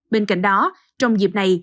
bên cạnh đó trong dịp này